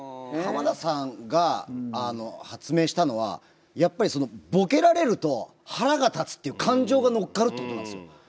浜田さんがあの発明したのはやっぱりそのボケられると腹が立つっていう感情が乗っかるってことなんですよ。